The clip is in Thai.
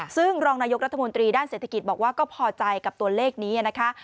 ซึ่งรองนายกรัฐมนตรีด้านเศรษฐกิจบอกว่าก็พอใจกับตัวเลขนี้นะคะ